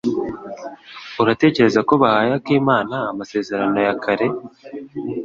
Uratekereza ko bahaye Akimana amasezerano ya kare?